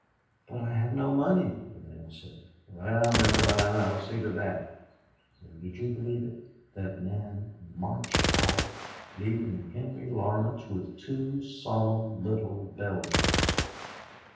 'But I have no money,' the man said. 'Well, never mind I'll see to that,' and, would you believe it? that man marched off leaving Henry Laurence with two solemn little Belgians.